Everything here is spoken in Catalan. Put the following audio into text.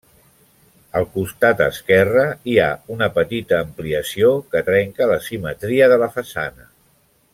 Al costat esquerre hi ha una petita ampliació que trenca la simetria de la façana.